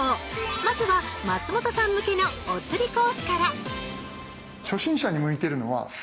まずは松本さん向けの「おつりコース」からえ？